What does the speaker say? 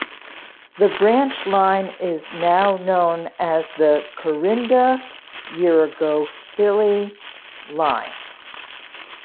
The branch line is now known as the Corinda-Yeerongpilly line.